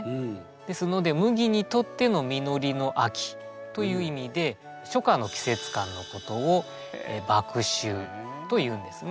ですので麦にとっての実りの秋という意味で初夏の季節感のことを「麦秋」というんですね。